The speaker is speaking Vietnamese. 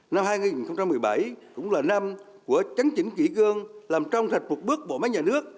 năm hai nghìn một mươi bảy cũng là năm của chấn chỉnh kỷ cương làm trong sạch một bước bộ máy nhà nước